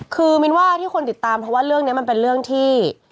คือมินว่าที่คนติดตามเพราะว่าเรื่องนี้มันเป็นเรื่องที่